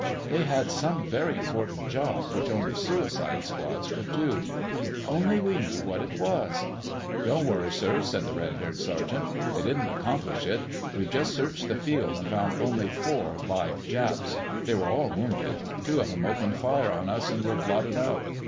They had some very important job which only suicide squads could do. If only we knew what it was...." "Don't worry, sir," said the red haired sergeant. "They didn't accomplish it. We've just searched the field and found only four live Japs. They were all wounded. Two of 'em opened fire on us and were blotted out.